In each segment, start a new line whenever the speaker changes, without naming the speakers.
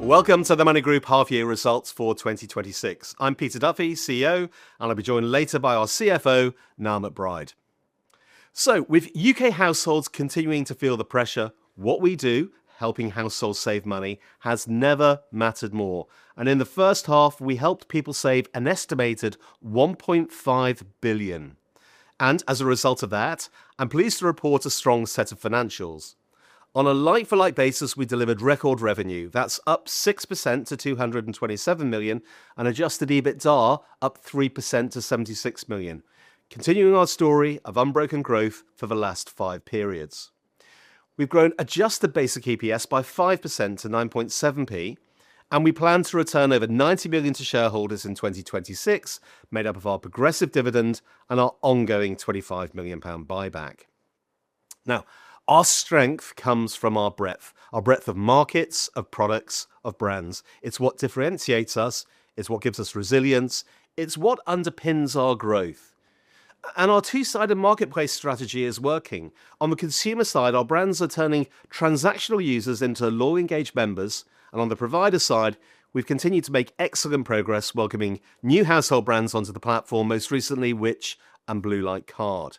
Welcome to the MONY Group half-year results for 2026. I'm Peter Duffy, Chief Executive Officer, and I'll be joined later by our Chief Financial Officer, Niall McBride. With U.K. households continuing to feel the pressure, what we do, helping households save money, has never mattered more. In the first half, we helped people save an estimated 1.5 billion. As a result of that, I'm pleased to report a strong set of financials. On a like-for-like basis, we delivered record revenue. That's up 6% to 227 million, and adjusted EBITDA up 3% to 76 million, continuing our story of unbroken growth for the last five periods. We've grown adjusted basic EPS by 5% to 0.097, and we plan to return over 90 million to shareholders in 2026, made up of our progressive dividend and our ongoing 25 million pound buyback. Our strength comes from our breadth, our breadth of markets, of products, of brands. It's what differentiates us. It's what gives us resilience. It's what underpins our growth. Our two-sided marketplace strategy is working. On the consumer side, our brands are turning transactional users into loyal, engaged members, and on the provider side, we've continued to make excellent progress welcoming new household brands onto the platform, most recently Which? and Blue Light Card.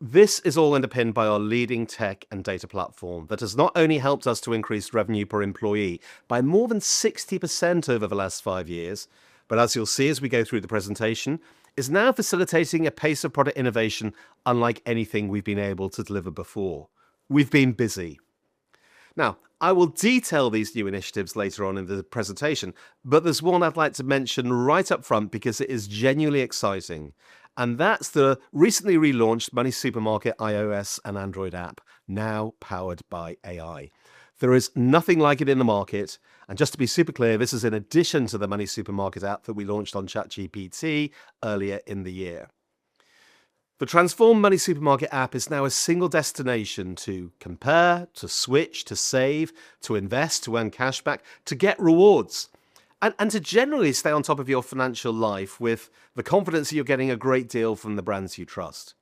This is all underpinned by our leading tech and data platform that has not only helped us to increase revenue per employee by more than 60% over the last five years, but as you'll see as we go through the presentation, is now facilitating a pace of product innovation unlike anything we've been able to deliver before. We've been busy. I will detail these new initiatives later on in the presentation, there's one I'd like to mention right up front because it is genuinely exciting, and that's the recently relaunched MoneySuperMarket iOS and Android app, now powered by AI. There is nothing like it in the market, and just to be super clear, this is in addition to the MoneySuperMarket app that we launched on ChatGPT earlier in the year. The transformed MoneySuperMarket app is now a single destination to compare, to switch, to save, to invest, to earn cashback, to get rewards, and to generally stay on top of your financial life with the confidence that you're getting a great deal from the brands you trust.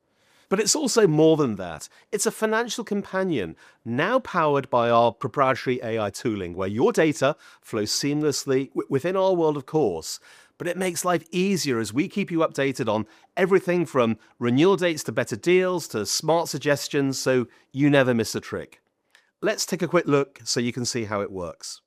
It's also more than that. It's a financial companion now powered by our proprietary AI tooling, where your data flows seamlessly within our world, of course, but it makes life easier as we keep you updated on everything from renewal dates to better deals to smart suggestions so you never miss a trick. Let's take a quick look so you can see how it works.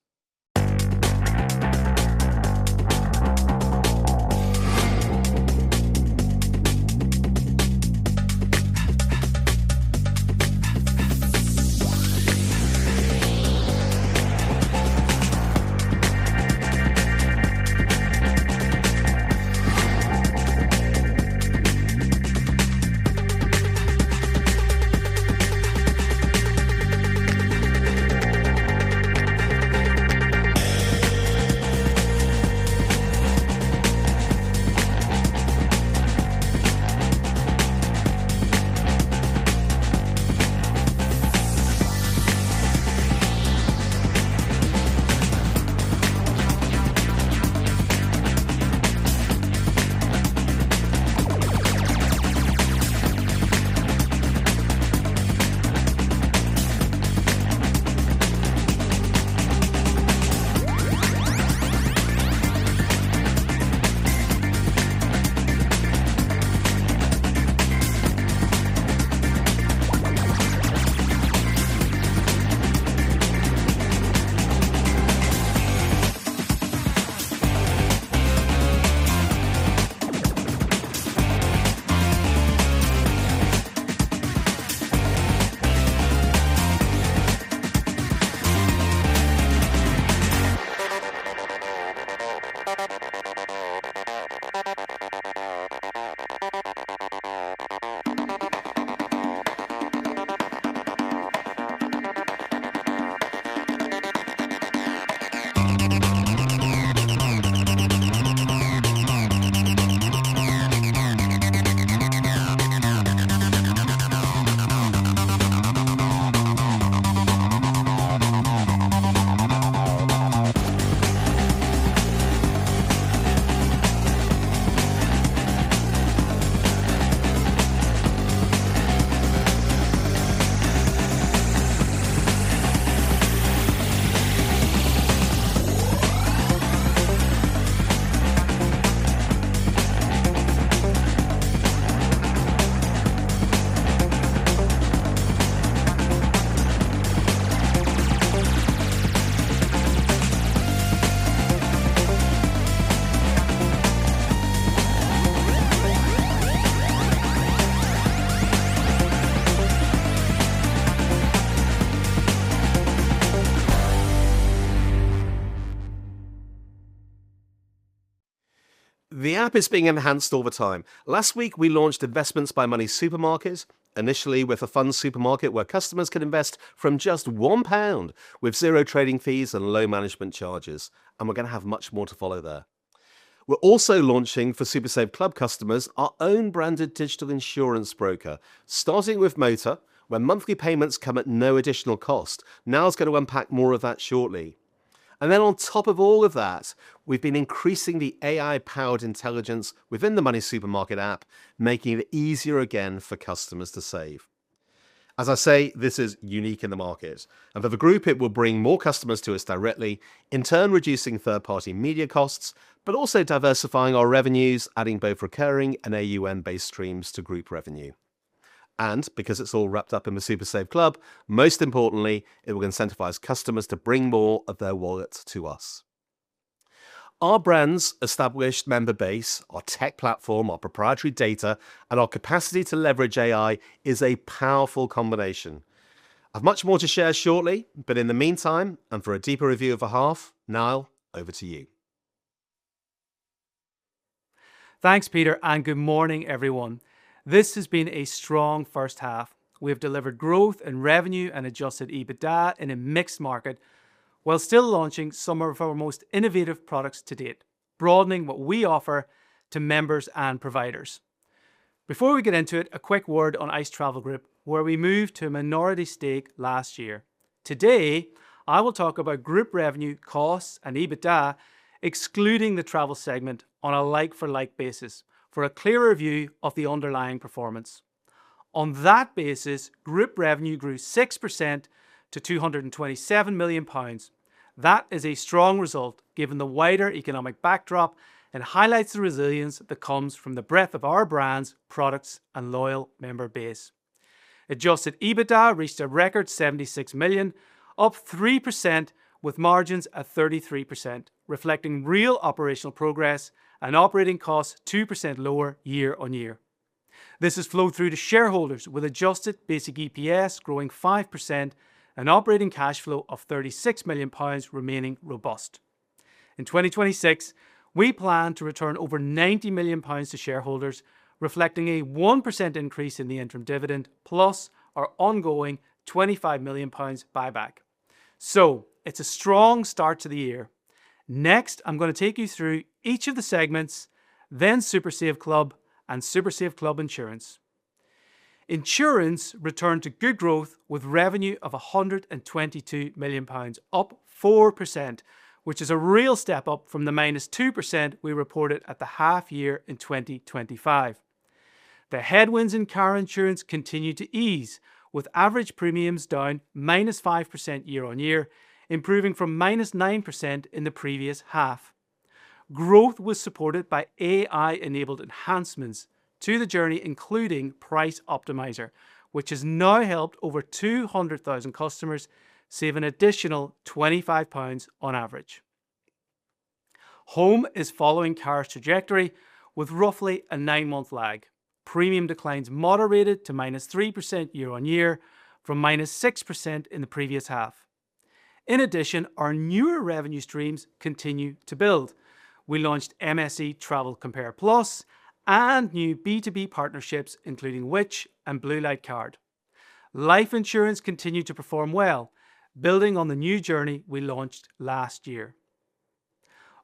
The app is being enhanced all the time. Last week, we launched Investments by MoneySuperMarket, initially with a funds supermarket where customers can invest from just 1 pound with zero trading fees and low management charges, and we're going to have much more to follow there. We're also launching for SuperSaveClub customers our own branded digital insurance broker, starting with motor, where monthly payments come at no additional cost. Niall's going to unpack more of that shortly. On top of all of that, we've been increasing the AI-powered intelligence within the MoneySuperMarket app, making it easier again for customers to save. As I say, this is unique in the market. For the group, it will bring more customers to us directly, in turn, reducing third-party media costs, but also diversifying our revenues, adding both recurring and AUM-based streams to group revenue. Because it's all wrapped up in the SuperSaveClub, most importantly, it will incentivize customers to bring more of their wallet to us. Our brands' established member base, our tech platform, our proprietary data, and our capacity to leverage AI is a powerful combination. I've much more to share shortly, but in the meantime, for a deeper review of the half, Niall, over to you.
Thanks, Peter, and good morning, everyone. This has been a strong first half. We have delivered growth in revenue and adjusted EBITDA in a mixed market while still launching some of our most innovative products to date, broadening what we offer to members and providers. Before we get into it, a quick word on ICE Travel Group, where we moved to a minority stake last year. Today, I will talk about group revenue, costs, and EBITDA, excluding the travel segment on a like-for-like basis for a clearer view of the underlying performance. On that basis, group revenue grew 6% to 227 million pounds. That is a strong result given the wider economic backdrop and highlights the resilience that comes from the breadth of our brands, products, and loyal member base. Adjusted EBITDA reached a record 76 million, up 3%, with margins at 33%, reflecting real operational progress and operating costs 2% lower year-on-year. This has flowed through to shareholders with adjusted basic EPS growing 5% and operating cash flow of 36 million pounds remaining robust. In 2026, we plan to return over 90 million pounds to shareholders, reflecting a 1% increase in the interim dividend, plus our ongoing 25 million pounds buyback. It's a strong start to the year. Next, I'm going to take you through each of the segments, then SuperSaveClub and SuperSaveClub Insurance. Insurance returned to good growth with revenue of 122 million pounds, up 4%, which is a real step up from the -2% we reported at the half year in 2025. The headwinds in car insurance continued to ease, with average premiums down -5% year-on-year, improving from -9% in the previous half. Growth was supported by AI-enabled enhancements to the journey, including Price Optimiser, which has now helped over 200,000 customers save an additional 25 pounds on average. Home is following Car's trajectory with roughly a nine-month lag. Premium declines moderated to -3% year-on-year from -6% in the previous half. In addition, our newer revenue streams continue to build. We launched MSE Travel Compare Plus and new B2B partnerships including Which? and Blue Light Card. Life insurance continued to perform well, building on the new journey we launched last year.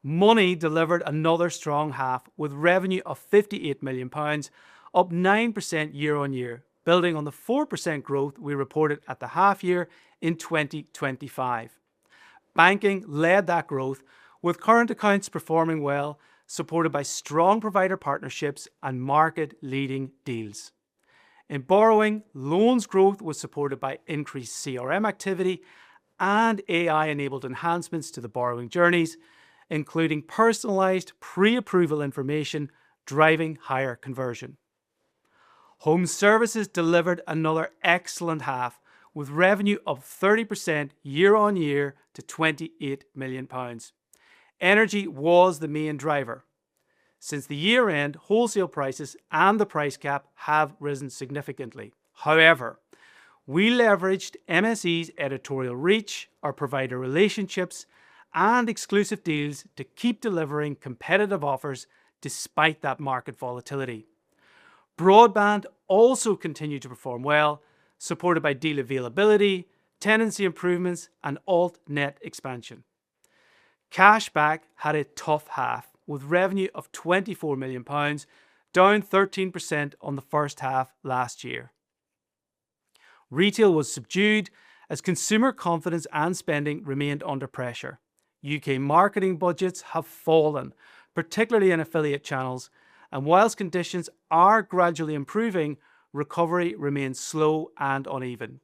MONY delivered another strong half with revenue of 58 million pounds, up 9% year-on-year, building on the 4% growth we reported at the half year in 2025. Banking led that growth with current accounts performing well, supported by strong provider partnerships and market-leading deals. In borrowing, loans growth was supported by increased CRM activity and AI-enabled enhancements to the borrowing journeys, including personalized pre-approval information driving higher conversion. Home Services delivered another excellent half with revenue up 30% year-on-year to 28 million pounds. Energy was the main driver. Since the year-end, wholesale prices and the price cap have risen significantly. However, we leveraged MSE's editorial reach, our provider relationships, and exclusive deals to keep delivering competitive offers despite that market volatility. Broadband also continued to perform well, supported by deal availability, tenancy improvements, and Altnet expansion. Cashback had a tough half, with revenue of 24 million pounds, down 13% on the first half last year. Retail was subdued as consumer confidence and spending remained under pressure. U.K. marketing budgets have fallen, particularly in affiliate channels. Whilst conditions are gradually improving, recovery remains slow and uneven.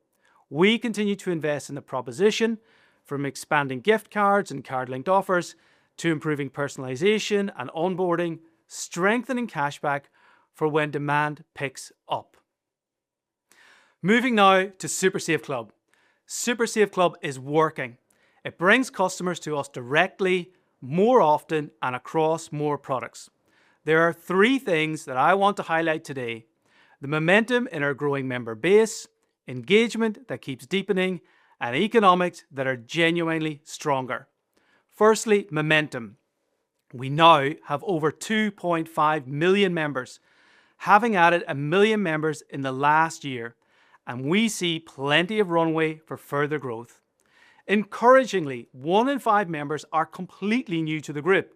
We continue to invest in the proposition from expanding gift cards and card-linked offers to improving personalization and onboarding, strengthening cashback for when demand picks up. Moving now to SuperSave Club. SuperSave Club is working. It brings customers to us directly more often and across more products. There are three things that I want to highlight today: the momentum in our growing member base, engagement that keeps deepening, and economics that are genuinely stronger. Firstly, momentum. We now have over 2.5 million members, having added a million members in the last year. We see plenty of runway for further growth. Encouragingly, one in five members are completely new to the group,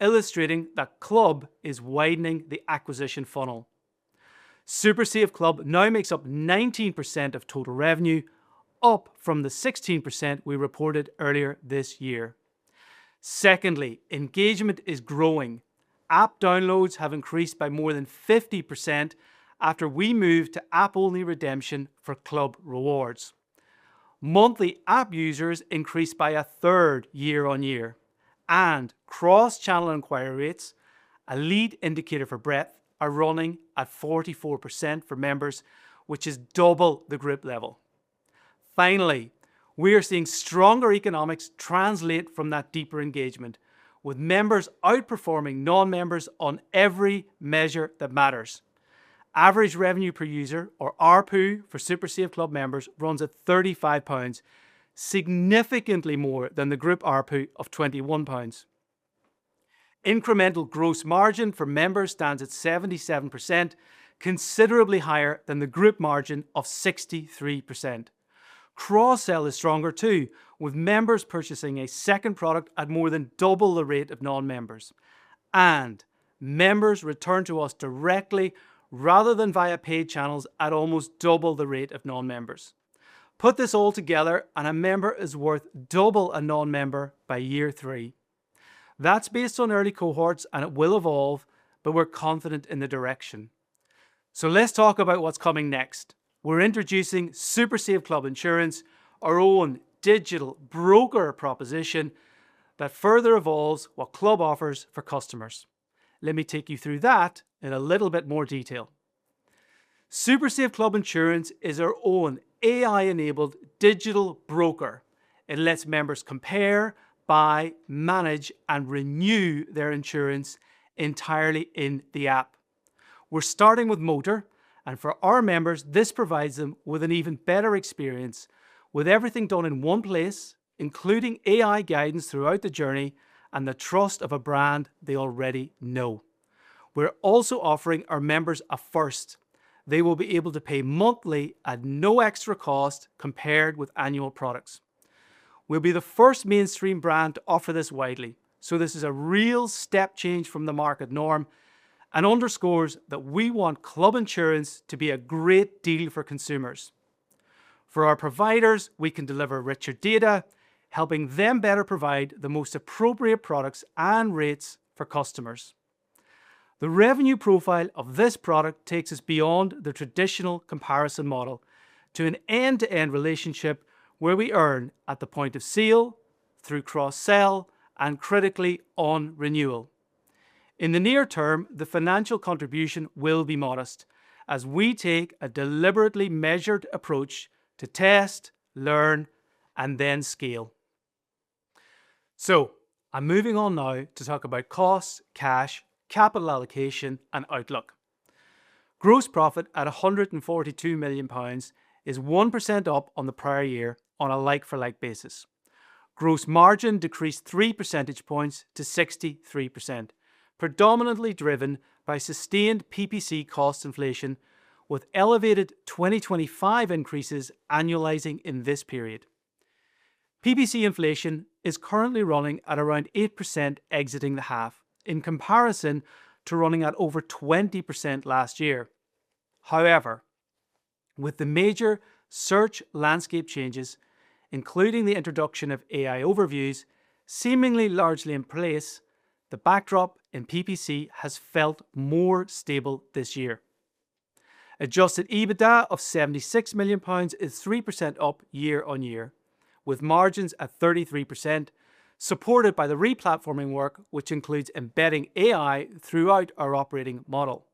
illustrating that Club is widening the acquisition funnel. SuperSave Club now makes up 19% of total revenue, up from the 16% we reported earlier this year. Secondly, engagement is growing. App downloads have increased by more than 50% after we moved to app-only redemption for Club rewards. Monthly app users increased by 1/3 year-on-year. Cross-channel inquiry rates, a lead indicator for breadth, are running at 44% for members, which is double the group level. Finally, we are seeing stronger economics translate from that deeper engagement with members outperforming non-members on every measure that matters. Average revenue per user, or ARPU, for SuperSave Club members runs at 35 pounds, significantly more than the group ARPU of 21 pounds. Incremental gross margin for members stands at 77%, considerably higher than the group margin of 63%. Cross-sell is stronger too, with members purchasing a second product at more than double the rate of non-members. Members return to us directly rather than via paid channels at almost double the rate of non-members. Put this all together. A member is worth double a non-member by year three. That's based on early cohorts. It will evolve, but we're confident in the direction. Let's talk about what's coming next. We're introducing SuperSave Club Insurance, our own digital broker proposition that further evolves what Club offers for customers. Let me take you through that in a little bit more detail. SuperSave Club Insurance is our own AI-enabled digital broker. It lets members compare, buy, manage, and renew their insurance entirely in the app. We're starting with motor. For our members, this provides them with an even better experience with everything done in one place, including AI guidance throughout the journey and the trust of a brand they already know. We're also offering our members a first. They will be able to pay monthly at no extra cost compared with annual products. We'll be the first mainstream brand to offer this widely, this is a real step change from the market norm and underscores that we want Club Insurance to be a great deal for consumers. For our providers, we can deliver richer data, helping them better provide the most appropriate products and rates for customers. The revenue profile of this product takes us beyond the traditional comparison model to an end-to-end relationship where we earn at the point of sale, through cross-sell, and critically, on renewal. In the near term, the financial contribution will be modest as we take a deliberately measured approach to test, learn, and then scale. I'm moving on now to talk about costs, cash, capital allocation, and outlook. Gross profit at 142 million pounds is 1% up on the prior year on a like-for-like basis. Gross margin decreased 3 percentage points to 63%, predominantly driven by sustained PPC cost inflation with elevated 2025 increases annualizing in this period. PPC inflation is currently running at around 8% exiting the half in comparison to running at over 20% last year. With the major search landscape changes, including the introduction of AI Overviews seemingly largely in place, the backdrop in PPC has felt more stable this year. Adjusted EBITDA of GBP 76 million is 3% up year-on-year with margins at 33%, supported by the replatforming work, which includes embedding AI throughout our operating model.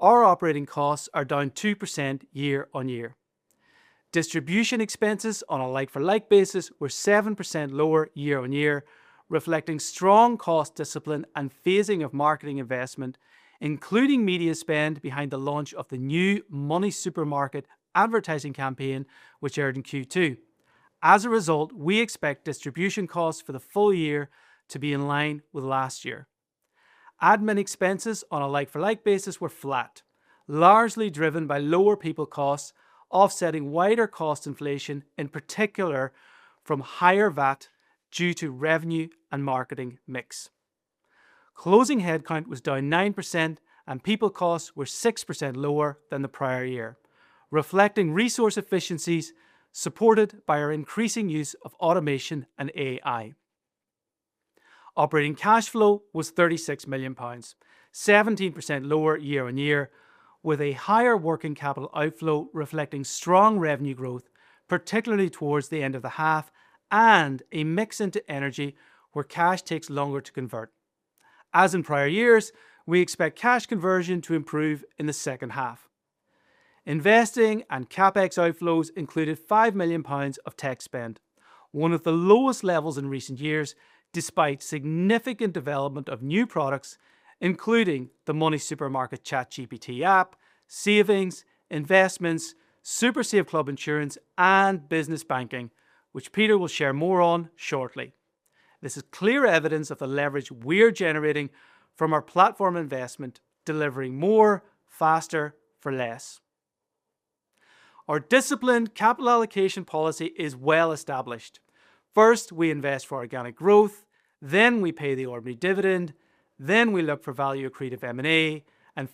Our operating costs are down 2% year-on-year. Distribution expenses on a like-for-like basis were 7% lower year-on-year, reflecting strong cost discipline and phasing of marketing investment, including media spend behind the launch of the new MoneySuperMarket advertising campaign, which aired in Q2. We expect distribution costs for the full year to be in line with last year. Admin expenses on a like-for-like basis were flat, largely driven by lower people costs offsetting wider cost inflation, in particular from higher VAT due to revenue and marketing mix. Closing headcount was down 9% and people costs were 6% lower than the prior year, reflecting resource efficiencies supported by our increasing use of automation and AI. Operating cash flow was 36 million pounds, 17% lower year-on-year with a higher working capital outflow reflecting strong revenue growth, particularly towards the end of the half and a mix into energy where cash takes longer to convert. In prior years, we expect cash conversion to improve in the second half. Investing and CapEx outflows included 5 million pounds of tech spend, one of the lowest levels in recent years despite significant development of new products, including the MoneySuperMarket ChatGPT app, Savings by MoneySuperMarket, Investments by MoneySuperMarket, SuperSaveClub Insurance, and MoneySuperMarket Business Banking, which Peter will share more on shortly. This is clear evidence of the leverage we're generating from our platform investment delivering more, faster, for less. Our disciplined capital allocation policy is well established. First, we invest for organic growth, we pay the ordinary dividend, we look for value accretive M&A,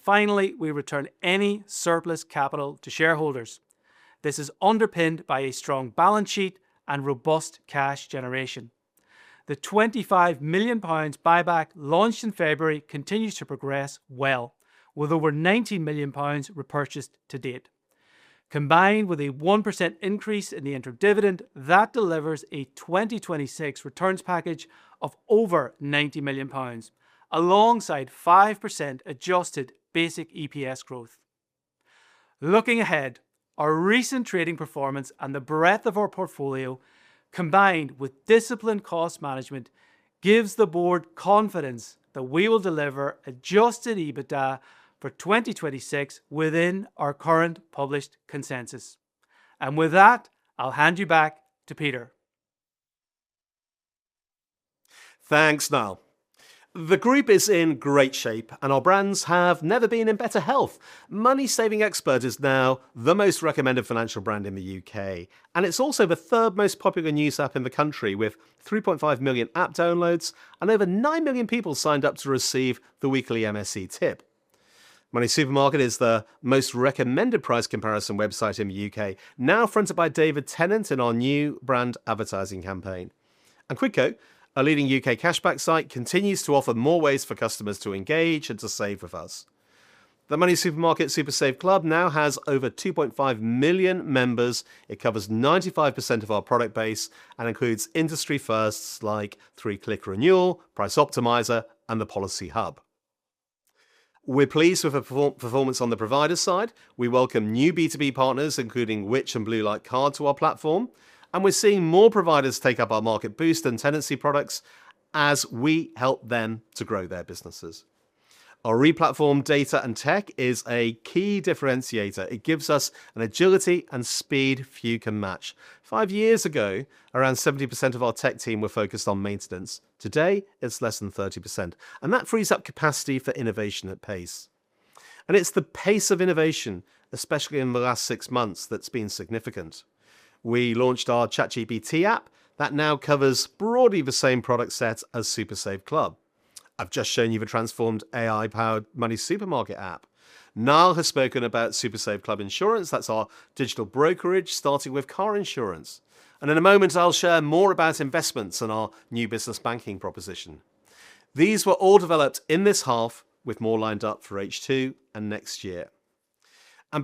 finally, we return any surplus capital to shareholders. This is underpinned by a strong balance sheet and robust cash generation. The 25 million pounds buyback launched in February continues to progress well, with over 19 million pounds repurchased to date. Combined with a 1% increase in the interim dividend, that delivers a 2026 returns package of over 90 million pounds, alongside 5% adjusted basic EPS growth. Looking ahead, our recent trading performance and the breadth of our portfolio, combined with disciplined cost management, gives the board confidence that we will deliver adjusted EBITDA for 2026 within our current published consensus. With that, I'll hand you back to Peter.
Thanks, Niall. The group is in great shape, our brands have never been in better health. MoneySavingExpert is now the most recommended financial brand in the U.K., and it's also the third most popular news app in the country, with 3.5 million app downloads and over nine million people signed up to receive the weekly MSE tip. MoneySuperMarket is the most recommended price comparison website in the U.K., now fronted by David Tennant in our new brand advertising campaign. Quidco, a leading U.K. cashback site, continues to offer more ways for customers to engage and to save with us. The MoneySuperMarket SuperSaveClub now has over 2.5 million members. It covers 95% of our product base and includes industry firsts like 3-Click Renewal, Price Optimiser, and the Policy Hub. We're pleased with the performance on the provider side. We welcome new B2B partners, including Which? and Blue Light Card to our platform, and we're seeing more providers take up our Market Boost and Tenancy products as we help them to grow their businesses. Our replatformed data and tech is a key differentiator. It gives us an agility and speed few can match. Five years ago, around 70% of our tech team were focused on maintenance. Today, it's less than 30%, and that frees up capacity for innovation at pace. It's the pace of innovation, especially in the last six months, that's been significant. We launched our ChatGPT app that now covers broadly the same product set as SuperSaveClub. I've just shown you the transformed AI-powered MoneySuperMarket app. Niall has spoken about SuperSaveClub Insurance. That's our digital brokerage, starting with car insurance. In a moment, I'll share more about investments and our new business banking proposition. These were all developed in this half, with more lined up for H2 and next year.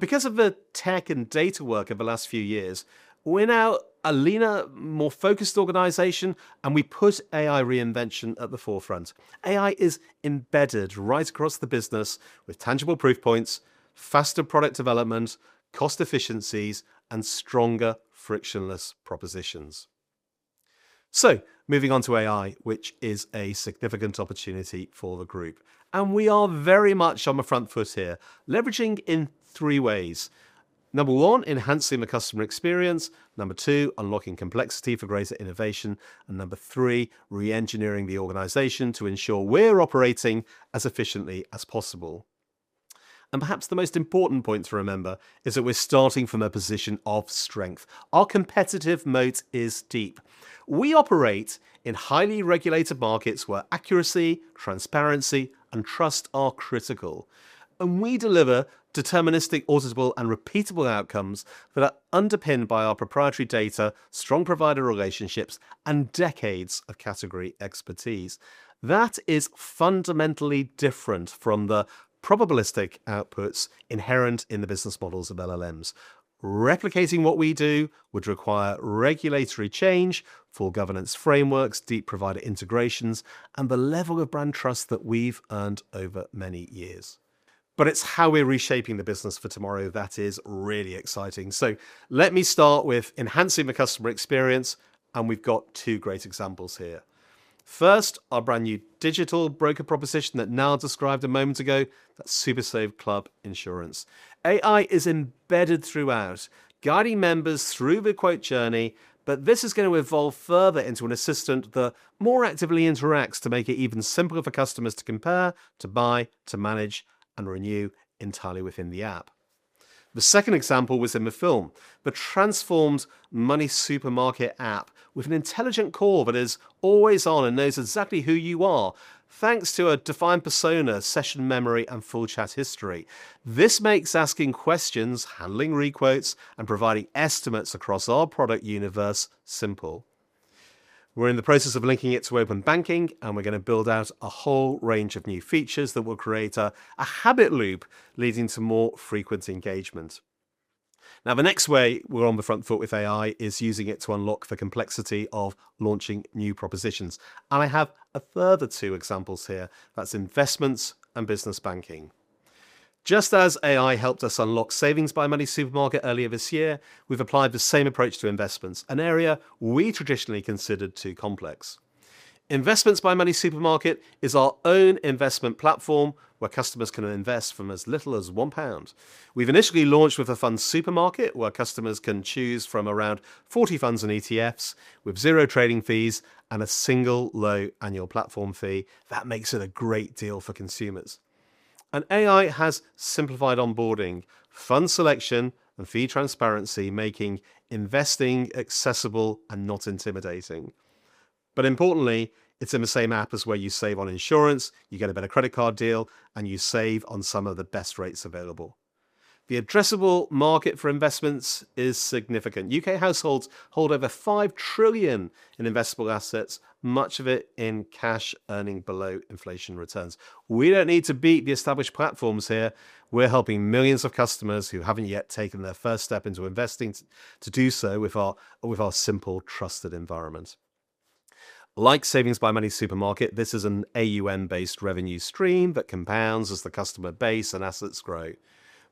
Because of the tech and data work of the last few years, we're now a leaner, more focused organization, and we put AI reinvention at the forefront. AI is embedded right across the business with tangible proof points, faster product development, cost efficiencies, and stronger frictionless propositions. Moving on to AI, which is a significant opportunity for the group. We are very much on the front foot here, leveraging in three ways. Number one, enhancing the customer experience. Number two, unlocking complexity for greater innovation. Number three, re-engineering the organization to ensure we're operating as efficiently as possible. Perhaps the most important point to remember is that we're starting from a position of strength. Our competitive moat is deep. We operate in highly regulated markets where accuracy, transparency, and trust are critical, and we deliver deterministic, auditable, and repeatable outcomes that are underpinned by our proprietary data, strong provider relationships, and decades of category expertise. That is fundamentally different from the probabilistic outputs inherent in the business models of LLMs. Replicating what we do would require regulatory change, full governance frameworks, deep provider integrations, and the level of brand trust that we have earned over many years. It is how we are reshaping the business for tomorrow that is really exciting. Let me start with enhancing the customer experience, and we have got two great examples here. First, our brand new digital broker proposition that Niall described a moment ago. That is SuperSaveClub Insurance. AI is embedded throughout, guiding members through the quote journey, but this is going to evolve further into an assistant that more actively interacts to make it even simpler for customers to compare, to buy, to manage, and renew entirely within the app. The second example was in the film, the transformed MoneySuperMarket app with an intelligent core that is always on and knows exactly who you are, thanks to a defined persona, session memory, and full chat history. This makes asking questions, handling requotes, and providing estimates across our product universe simple. We are in the process of linking it to open banking, and we are going to build out a whole range of new features that will create a habit loop, leading to more frequent engagement. The next way we are on the front foot with AI is using it to unlock the complexity of launching new propositions. I have a further two examples here. That is investments and business banking. Just as AI helped us unlock Savings by MoneySuperMarket earlier this year, we have applied the same approach to investments, an area we traditionally considered too complex. Investments by MoneySuperMarket is our own investment platform where customers can invest from as little as 1 pound. We have initially launched with a funds supermarket, where customers can choose from around 40 funds and ETFs with zero trading fees and a single low annual platform fee. That makes it a great deal for consumers. AI has simplified onboarding, fund selection, and fee transparency, making investing accessible and not intimidating. Importantly, it is in the same app as where you save on insurance, you get a better credit card deal, and you save on some of the best rates available. The addressable market for investments is significant. U.K. households hold over 5 trillion in investable assets, much of it in cash, earning below inflation returns. We do not need to beat the established platforms here. We are helping millions of customers who have not yet taken their first step into investing to do so with our simple trusted environment. Like Savings by MoneySuperMarket, this is an AUM-based revenue stream that compounds as the customer base and assets grow.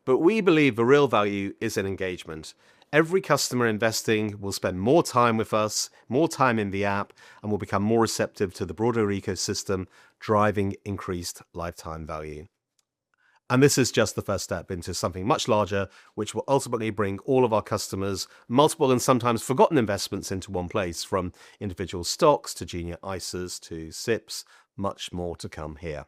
We believe the real value is in engagement. Every customer investing will spend more time with us, more time in the app, and will become more receptive to the broader ecosystem driving increased lifetime value. This is just the first step into something much larger, which will ultimately bring all of our customers multiple and sometimes forgotten investments into one place, from individual stocks, to junior ISAs, to SIPPs. Much more to come here.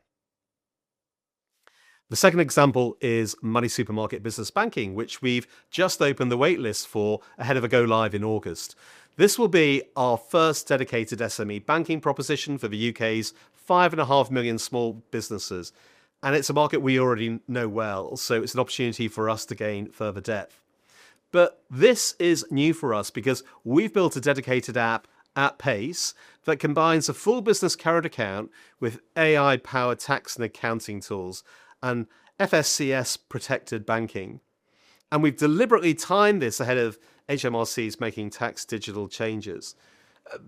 The second example is MoneySuperMarket Business Banking, which we've just opened the waitlist for ahead of a go-live in August. This will be our first dedicated SME banking proposition for the U.K.'s 5.5 million small businesses, and it's a market we already know well, so it's an opportunity for us to gain further depth. This is new for us because we've built a dedicated app at pace that combines a full business current account with AI-powered tax and accounting tools and FSCS-protected banking. We've deliberately timed this ahead of HMRC's Making Tax Digital changes.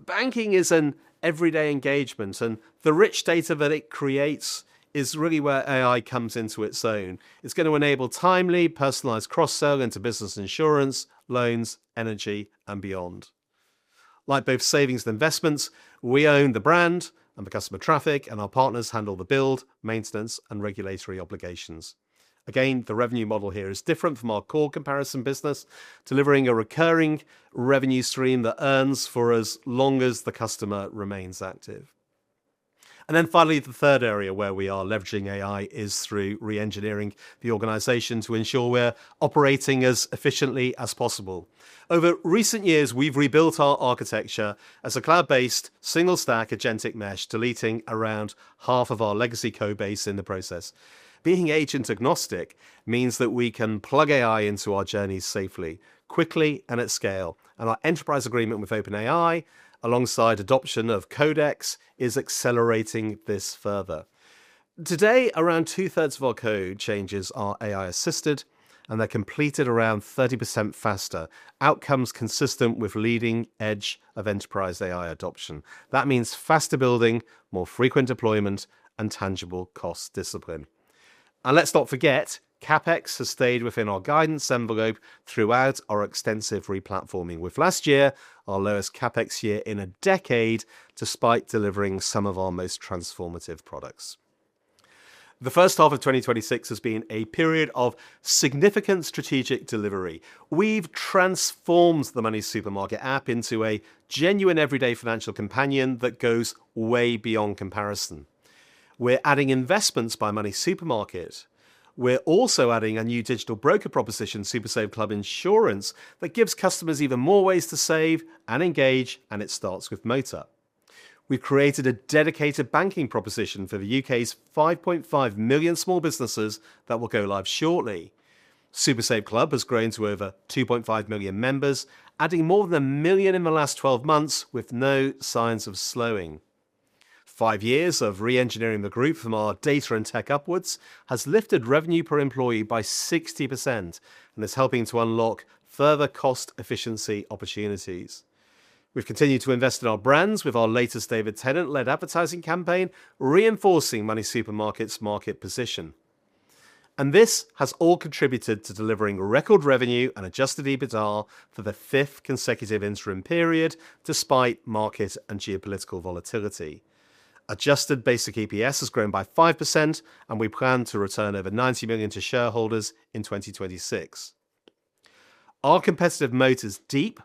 Banking is an everyday engagement, and the rich data that it creates is really where AI comes into its own. It's going to enable timely, personalized cross-sell into business insurance, loans, energy, and beyond. Like both savings and investments, we own the brand and the customer traffic, and our partners handle the build, maintenance, and regulatory obligations. Again, the revenue model here is different from our core comparison business, delivering a recurring revenue stream that earns for as long as the customer remains active. Finally, the third area where we are leveraging AI is through re-engineering the organization to ensure we're operating as efficiently as possible. Over recent years, we've rebuilt our architecture as a cloud-based single stack agentic mesh, deleting around half of our legacy codebase in the process. Being agent-agnostic means that we can plug AI into our journeys safely, quickly, and at scale. Our enterprise agreement with OpenAI, alongside adoption of Codex, is accelerating this further. Today, around 2/3 of our code changes are AI-assisted, and they're completed around 30% faster. Outcomes consistent with leading edge of enterprise AI adoption. That means faster building, more frequent deployment, and tangible cost discipline. Let's not forget, CapEx has stayed within our guidance envelope throughout our extensive replatforming, with last year our lowest CapEx year in a decade, despite delivering some of our most transformative products. The first half of 2026 has been a period of significant strategic delivery. We've transformed the MoneySuperMarket app into a genuine everyday financial companion that goes way beyond comparison. We're adding Investments by MoneySuperMarket. We're also adding a new digital broker proposition, SuperSaveClub Insurance, that gives customers even more ways to save and engage, and it starts with motor. We've created a dedicated banking proposition for the U.K.'s 5.5 million small businesses that will go live shortly. SuperSaveClub has grown to over 2.5 million members, adding more than a million in the last 12 months, with no signs of slowing. Five years of re-engineering the group from our data and tech upwards has lifted revenue per employee by 60% and is helping to unlock further cost efficiency opportunities. We've continued to invest in our brands with our latest David Tennant-led advertising campaign, reinforcing MoneySuperMarket's market position. This has all contributed to delivering record revenue and adjusted EBITDA for the fifth consecutive interim period, despite market and geopolitical volatility. Adjusted basic EPS has grown by 5%, and we plan to return over 90 million to shareholders in 2026. Our competitive moat is deep,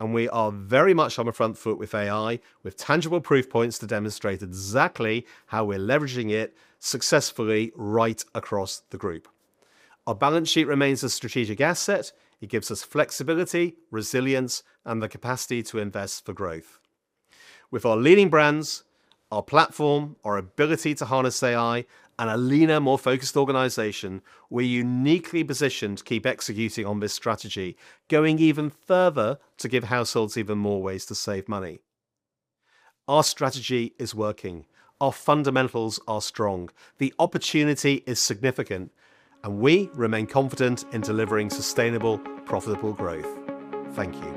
and we are very much on the front foot with AI, with tangible proof points to demonstrate exactly how we're leveraging it successfully right across the group. Our balance sheet remains a strategic asset. It gives us flexibility, resilience, and the capacity to invest for growth. With our leading brands, our platform, our ability to harness AI, and a leaner, more focused organization, we're uniquely positioned to keep executing on this strategy, going even further to give households even more ways to save money. Our strategy is working. Our fundamentals are strong. The opportunity is significant, and we remain confident in delivering sustainable, profitable growth. Thank you.